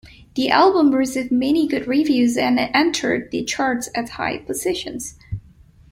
The album received many good reviews and entered the charts at high positions.